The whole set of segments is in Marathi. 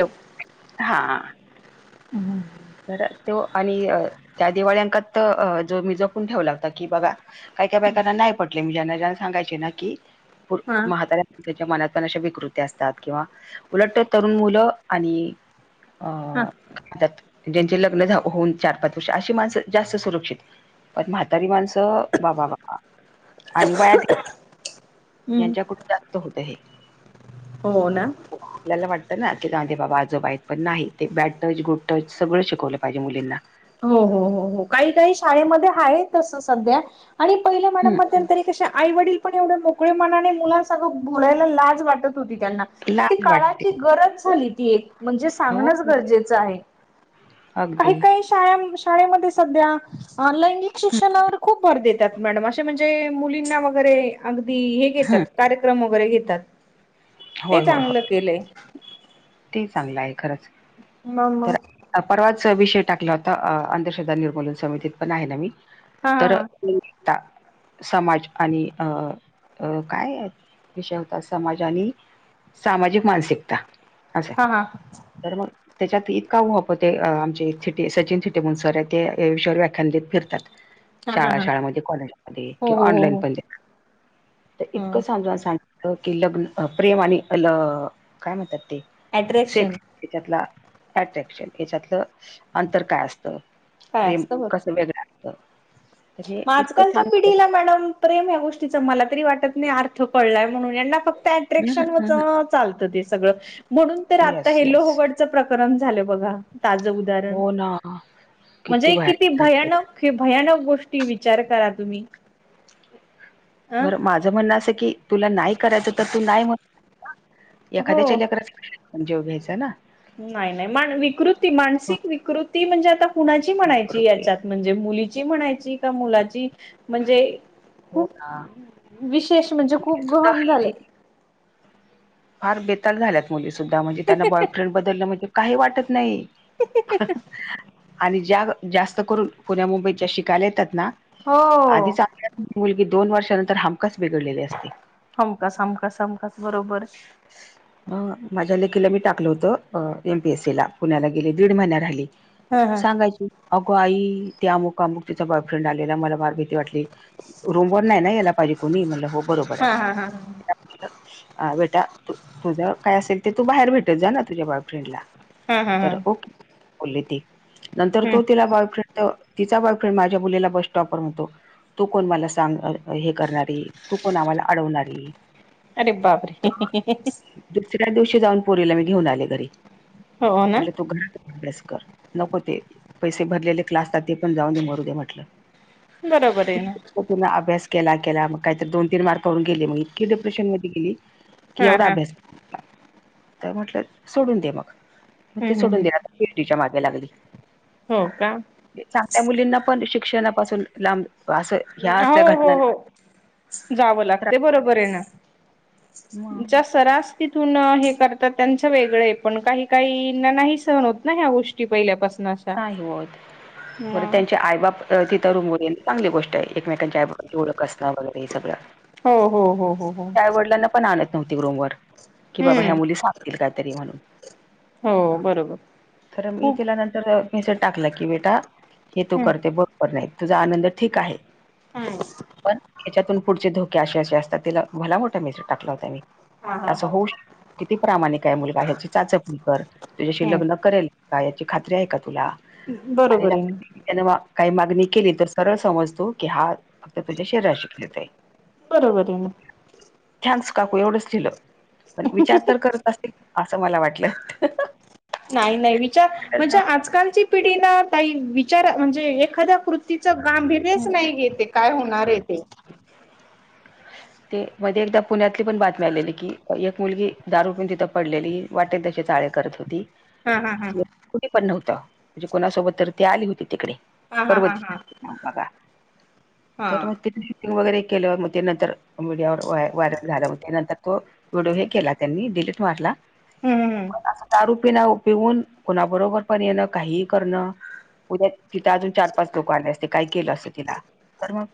हॅलो. हा हा. हॅलो. घरात त्यो आणि त्या दिवाळी अंकात जो मी जपून ठेवला होता की, बघा काही काय बायकांना नाही पटले. मी ज्यांना ज्यांना सांगायचे ना की, हा म्हाताऱ्या त्याच्या मनात पण अशा विकृती असतात किंवा उलटत तरुण मुलं आणि हा अह त्यात ज्यांचे लग्न झा होऊन चार- पाच वर्ष अशी माणसं जास्त सुरक्षित पण म्हातारी माणसं, बाबा बाबा आणि वयात यांच्याकडून जास्त होत हे. हो ना. आपल्याला वाटत ना की, जावू दे बाबा आजोबा आहेत पण नाही. ते बॅड टच, गूड टच सगळं शिकवलं पाहिजे मुलींना. हो हो हो हो काही काही शाळेमध्ये आहे तस सध्या आणि पहिल्या मॅडम हम्म मध्ये तरी कशा आई वडील पण एवढे मोकळे मनाने मुलांसंग बोलायला लाज वाटत होती त्यांना पण ती लाज काळाची वाटते गरज झाली ती एक म्हणजे सांगणच हो गरजेचं आहे. काही अगदी काही शाळां शाळेमध्ये सध्या लैंगिक हं, शिक्षणावर खूप भर देतेत. त्यात मॅडम असे म्हणजे मुलींना वगैरे अगदी हे घेतात. हं. कार्यक्रम वगैरे घेतात. ते होय, होय, होय. चांगलं केलंय. ते चांगलं हाय खरंच. म तर म. परवाच विषय टाकला होता, अ अंधश्रद्धा निर्मूलन समितीत पण आहे ना मी, हा तर इंस्टा समाज आणि अ काय विषय होता समाज आणि सामाजिक मानसिकता असं. हां हां तर मग त्याच्यात इतका उहप ते आमचे थिटे सचिन थीटे म्हणून एक सर आहे ते विषयावर व्याख्यान देत फिरतात हा हा हा शाळा शाळामध्ये कॉलेजमध्ये हो किंवा हो हो ऑनलाईन हो पण तर इतकं हं सांडावा सांडव की लग्न प्रेम आणि काय म्हणतात ते अट्रॅक्शन सेक्स याच्यातला अट्रॅक्शन याच्यातलं अंतर काय असतं काय प्रेम असतं बरं कसं वेगळा मग आजकालच्या पिढीला हम्म मॅडम प्रेम या गोष्टीच मला तरी वाटत नाही अर्थ कळलाय म्हणून यांना फक्त अट्रॅक्शन हम्म होत हम्म हम्म. चालत ते सगळ म्हणून तर आता येस हे येस लोहगड प्रकरण झालं बघा आत्ता. दारण हो ना म्हणजे किती भयानक झालं ते. भयानक भयानक गोष्टी विचार करा तुम्ही अं बर माझं म्हणणं असं की तुला नाही करायचं तर तू नाही म्हनं एखाद्याच्या हो लेकराचा [inaudible] जीव घ्यायचा ना नाही नाही मान विकृती मानसिक विकृती म्हणजे आता कुणाची म्हणायची प्रवृत्ती याच्यात म्हणजे मुलीची म्हणायची का मुलाची म्हणजे हो खूप ना विशेष म्हणजे खूप मुली सुद्धा गहन झाल हल्ली फार बेताल झाल्यात मुली सुद्धा म्हणजे त्यांना बॉयफ्रेंड बदलण म्हणजे काही वाटत नाही. ही ही ह्या ह्या आणि ज्या जास्त करून पुण्या मुंबईत ज्या शिकायला येतात ना हो आधीच मुलगी दोन वर्षानंतर हा समकासमका समखस बरोबर ह अ माझ्या लेकीला मी टाकल होतं एमपीएससी ला पुण्याला गेली दीड महिना राहिली ह ह सांगायची अगो आई ते अमुक अमुकीचा बॉयफ्रेंड आलेला मला फार भीती वाटली. रूमवर नाही ना याला पाहिजे कोणी म्हणलं हो बरोबर ए हा हा हा तिला म्हणलं बेटा तुझ काय असेल ते तू बाहेर भेटत जा ना तुझ्या बॉयफ्रेंडला हा हा हा तर ओके बोलली ती नंतर हम् तो तिला बॉयफ्रेंड तिचा बॉयफ्रेंड माझ्या मुलीला बस स्टॉपवर म्हणतो तू कोण मला सांग हे करणारी तू कोण आम्हाला अडवणारी अरे बापरे हे हे हे त्या दिवशी जाऊन पोरीला मी घेऊन आले घरी हो ना म्हटलं तू घरात अभ्यास कर नको ते पैसे भरलेले क्लासला ते पण जाऊन दे मरुदे म्हटलं. बरोबर आहे ना तो पुन्हा अभ्यास केला केला, मग काही तर दोन- तीन मार्कावरून गेले मग. की डिप्रेशन मध्ये गेली कि हा एवढा हा अभ्यास. तर म्हटलं सोडून दे मग, मग ते हम्म सोडून हम् द्याय कीर्तीच्या माग लागली. हो का चांगल्या मुलींना पण शिक्षणापासून लांब बा असं ह्या हो असल्या हो हो घटनांना जावं लागतं त्रास होते बरोबर ए ना मग ज्या सरास तिथून हे करतात त्यांच वेगळंय पण काही काहीना नाही सहन होत ना ह्या गोष्टी ती पहिल्या पासूनच नाही होत बर त्यांचे आई बाप तं तिथं रूम वरील चांगली गोष्टय एकमेकांच्या ओळख असणं वगैरे हे सगळं. हो हो हो हो हो आई -वडिलांना पण आणत नव्हती रूम वर कि बाबा हम्म ह्या मुली सांग दिलं काहीतरी म्हणून हो बरोबर खूप तं मेसेज टाकला की बेटा हे तू हम्म करते बरोबर नाही तुझा आनंद ठीक आहे. हम् पण याच्यातून पुढचे धोके असे असे असतात तिला भला मोठा मेसेज टाकला होता मी. हा हा असं हा होऊ शक्, किती प्रामाणिक आहे मुलगा, ह्याची चाचपणी कर तुझ्याशी हम्म लग्न करेल. काय याची खात्री आहे का तुला आणि बरोबर आहे ना [unintelligible] त्यान बा काही मागणी केली तर सरळ समजतो की हा फक्त तुझ्या शरीराशी खेळतोय. बरोबर ना. थँक्स काकू एवढंच लिहिलं. पण विचार तर करत असतील असं मला वाटलं. नाही नाही विचार, म्हणजे हम्म आजकालची पिढी ना ताई विचार म्हणजे एखाद्या कृती तिचं गांभीर्यच नाही घेतं काय होणारय ते. [inaudible] ते मध्ये एकदा पुण्यातली पण बातमी आलेली की एक मुलगी दारु पिऊन तिथं पडलेली. वाटेल तशी चाळे करत होती. हां हा हां हां कुठे पण नव्हतं, म्हणजे कोणासोबत तर ती आली होती तिकडे. हा हा हा हा हं बघा हा तर मग ती वगैरे केलंग ते नंतर मीडियावर व्हायरल झाला म त्या नंतर तो? फोटो हे केला त्यांनी डिलीट मारला हम् पण दारू पि ना पिऊन कुणा बरोबर पण येणं काहीही करणं उद्या तिथं अजून चार पाच लोक आले ते काय केलं असं? तिला तर मग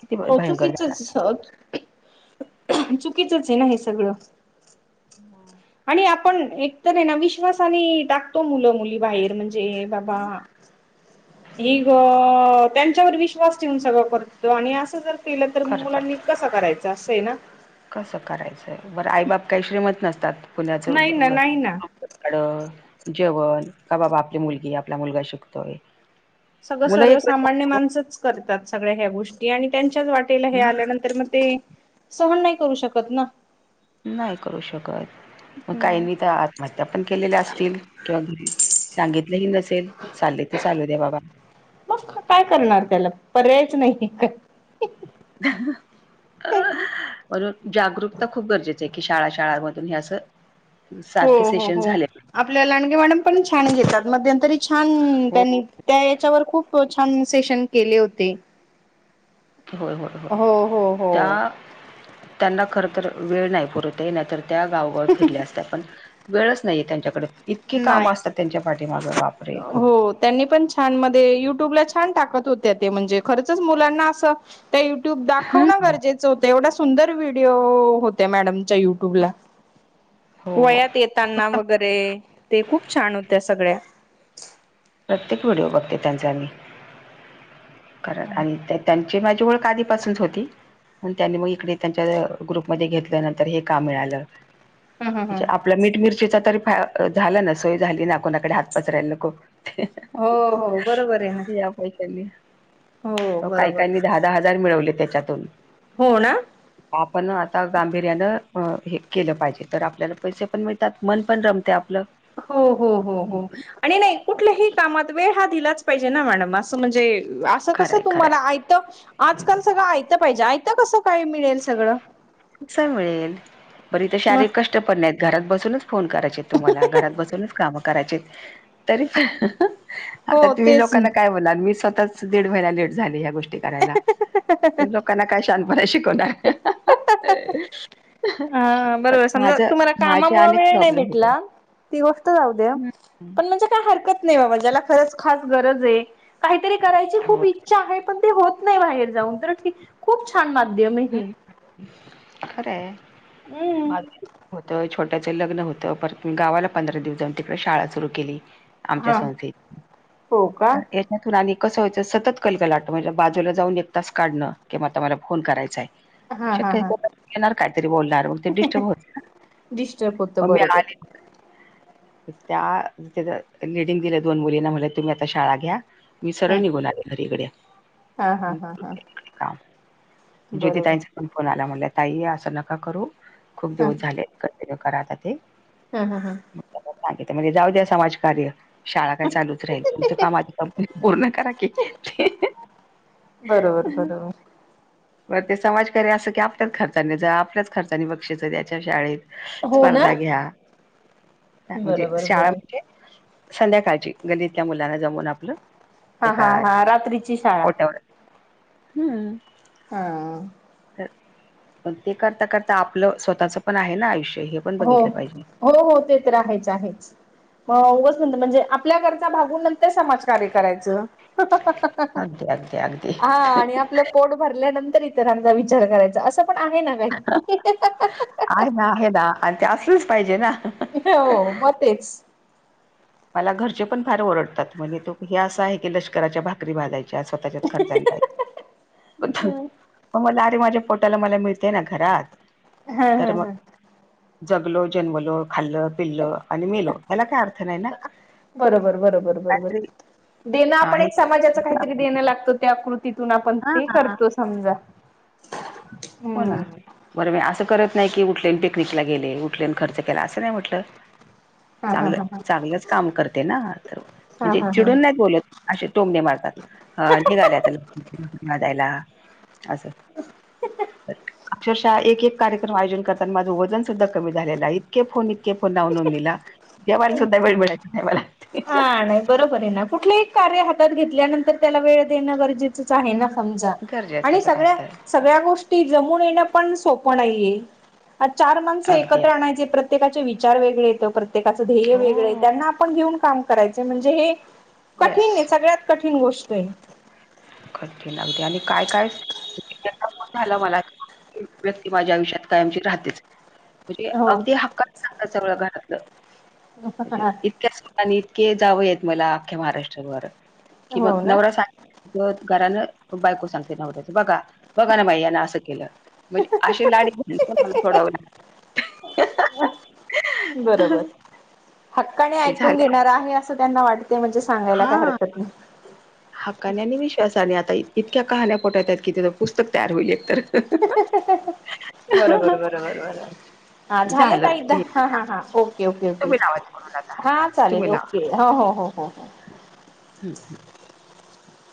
किती हो भयंकर झाला चुकीचच हे ना हे सगळं हम. आणि आपण एकत आहे. ना विश्वासाने टाकतो मुलं मुली बाहेर म्हणजे बाबा ही ग त्यांच्यावर विश्वास ठेवून सगळं करतो. आणि असं जर केलं तर करतात मुलांनी कस! करायचं असं आहे ना? कसं करायचंय बरं आई बाप काही श्रीमंत नसतात. कुणाचं नाही ना नाही ना. जेवण का बाबा आपली मुलगी आपला मुलगा शिकतोय? सगळं मुलं एक सर्वसामान्य वेळ माणसच करतात. सगळ्या ह्या गोष्टी आणि त्यांच्याच वाट हे मग आल्यानंतर मग ते सहन नाही करू शकत ना. नाही करू शकत, मग हम्म काहीनी, तर आत्महत्या पण केलेल्या असतील, किंवा घरी सांगितलं ही नसेल, चाललय ते चालू द्या बाबा मग तर काय करणार त्याला? पर्यायच नाही काय? [inaudible] [unintelligible] म्हणून जागरूकता खूप गरजेची आहे की, शाळा -शाळांमधून हे असं हो सारखे हो सेशन हो झाले आपल्या लांडगे मॅडम पण छान घेतात. मध्यंतरी छान हो त्यांनी त्या याच्यावर खूप छान सेशन केले होते! होय होय होय हो हो त्या हो. त्यांना खर तर वेळ नाही पुरे नाहीतर त्या गावगाव फिरल्या असत. पण वेळच नाहीये त्यांच्याकडे इतके काम नाही. असतात. त्यांच्या पाठीमागं वापरे खूप हो त्यांनी पण छान मध्ये युट्यूबला छान टाकत. होत्या ते म्हणजे खरचच मुलांना असं! त्या युट्यूब हम्म दाखवणं गरजेचं होतं. एवढा सुंदर व्हिडिओ होत्या मॅडमच्या युट्यूबला हो हो वयात येताना वगैरे, ते खूप छान होत्या सगळ्या प्रत्येक व्हिडिओ बघते, त्यांचा मी कारण हम्म आणि त्यात त्यांची माझी ओळख आधी पासून च होती. म त्यांनी मग इकडे त्यांच्या ग्रुपमध्येध्ये घेतलं, त्यानंतर हे काम मिळालं. हम्म म्हणजे हम्म आपल्या मीठ- मिरची तरी फाय सोय झाली ना. कोणाकडे हात पसरायला नकॊ. हो हो बरोबर आहे ना. या पैशानी, हो अहो काय -काय बरोबर नी दहा दहा हजार मिळवले त्याच्यातून हो ना. आपण आता गांभीर्यानं हे केलं पाहिजे, तर आपल्याला पैसे पण मिळतील त्यात मन पण रमतय आपलं हो- हो- हो -हो आणि नाही, कुठल्याही कामात वेळ हा दिलाच पाहिजे ना, मॅडम असं म्हणजे कस खरंय तुम्हाला खरंय आज काल, तुम्हाला सगळं आयत पाहिजे आयत कसं काय मिळेल सगळं कस मिळेल..... बरी इथे मग शारीरिक कष्ट पण नाही, घरात बसूनच फोन करायचे तुम्हाला, घरात बसूनच काम करायचे तरी हो आता तुम्ही तेच ना. लोकांना काय बोलाल, मीच स्वतःच दीड महिना लेट झाले ह्या गोष्टी करायला तर लोकांना काय शहाणपणा शिकवणार हा पण बरोबर, माझ समजा तुम्हाला माझे कामामुळे अनेक वेळ नाही प्रॉब्लेम होते. भेटला ती गोष्ट जाऊ द्या.... हम्म. पण म्हणजे काय, हरकत नाही बाबा ज्याला खरंच खास गरज आहे काहीतरी करायची हो खूप इच्छा आहे., पण ते होत नाही., बाहेर जाऊन तर ठीक आहें खूप छान माध्यम आहे हे खरं आहें हम्म होतं छोट्याचं लग्न होतं, परत मग गावाला पंधरा दिवस जाऊन, तिकडे शाळा सुरू केली आमच्या हा संस्थेत हो का तर त्यातून आणि कसं व्हायाचं सतत कल- कलाट, म्हणजे बाजूला जाऊन एक तास काढणं, किंवा आता मला फोन करायचा आहें हा हा शक्य हा येणार कायतरी बोलणार मग ते व्यत्यय येतो ना डिस्टर्ब होत बरोबर व्यत्यय येतो बरोबर त्या लिडिंग दिले, दोन मुलींना म्हटले तुम्ही आता शाळा घ्या मी हा सरळ निघून आले घरी इकडे हा हा हा हा ज्योती बरोबर ताईंन चा पण फोन आला..., म्हणाल्या,... 'ताई असं नका करू खूप हा दिवस झाले' ए करा आता ते हम- हम -हम सांगिल... म्हणजे जाऊ द्या समाजकार्य शाळा काय चालूच राहील, तुमचं काम आधी पूर्ण करा की बरोबर -बरोबर बर..... ते समाजकार्य असं की, आपल्याच खर्चाने जा, आपल्याच खर्चानी बक्षीस दया, शाळेत हो ना स्पर्धा घ्या म्हणजे बरोबर शाळा, बरोबर म्हणजे संध्याकाळची गल्लीतल्या मुलांना जमून आपलं हा हा हा रात्रीची शाळा एकाट्यावर हम्म हा तर पण ते करता करता आपलं स्वतःच पण आहे ना आयुष्य हे पण हो- बघितलं पाहिजे हो- हो ते तर आहेच -आहेच, उगच मग म्हणजे आपल्या गरजा भागवून नंतर समाजकार्य करायचं अगदी अगदी अगदी हा आणि आपलं पोट भरल्यानंतर इतरांन चा विचार करायचा...... असं पण आहे ना काहीतरी आहे ना आहे ना आणि ते असलेच पाहिजे ना हो मतेच मला घरचे पण फार ओडतात म्हणजे तो हे असं आहे की लष्कराच्या भाकरी भाजायची स्वतःच्या खर् म अरे माझ्या पोटाला मला मिळते ना घरात हा तर हा मग हा जगलो जन्मलो खाल्ल पिल्लं आणि मिलो ह्याला काय अर्थ नाही ना बरोबर बरोबर काहीतरी देण आपण आहे समाजा काहीत देणं लागतं त्याकृतीतून आप हा हम्म बोला बरं म असं करत नाही की उठले पिकनिकला गेले उठले खर्च केला असं नाही म्हटलं हा हा चांगलं हा हा चांगलंच काम करते ना तर हा म्हणजे हा हा चिडून नाही बोलत असे तोंबणे मारतात अ निघालेता ल जायला असं अक्षरशः एक एक कार्यक योजन करताना माझं वजन सुद्धा कमी झालेला आहे इतके फोन इतके फोन नाव नोंद दिला देवला सुद्धा वेळ मिळायच नाही मला हा नाही बरोबर आहे ना कुठलेही कार्य हातात घेतल्यानंतर त्याला वेळ देणं गरजेच आहे समजा गरजेचं आणि तर सगळ्या राहतय सगळ्या गोष्टी जमून येण पण सोपं नाहीे आज चार माणस अगदी एकत्र आणायचे प्रत्य प्रत्येकाचे विचार वेगळे येत प्रत्येकाचं ध्येय वेगळे हो त्यांना आपण घेऊन काम करायचे म्हणजे हे येस कठीण आहे सगळ्यात कठीण गोष्ट आहे कठीण अगदी आणि काय काय झालं मला व्यक्ती माझ्या आयुष्यात कायमची राहतेच म्हणजे हो अगदी हक्काचात सगळं घरातलं म्हणजे इतक्या इतके जावं आहेतेत मला अख्ख्या महाराष्ट्रावर कि मग हो ना नवरा सा घरानं बायको सांगते नावड्याच बघा बघा ना बाई यांना असं केलं म्हणजे अशी लाडी घेन प मला सथोडावं लाग बरोबर हक्काने ऐकून झाल्या घेणार आहे असं त्यांना वाटते म्हणजे सांगायला काय हरकत नाही हाकाण्याने विश्वासा आणि आता इ इतक्या कहाण्या्या पठवतात कििं पुस्त तयारईल तर बरोबर बरोबर बा झाले झालं हे एकदाओ ओे ओके ओके तुम्ही लावा म्हणून आता हा चालेल तुम्ही लावा ओके हो हो हो हो हो हम् हम